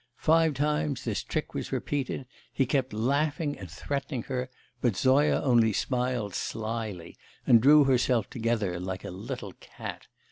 Five times this trick was repeated, he kept laughing and threatening her, but Zoya only smiled slyly and drew herself together, like a little cat.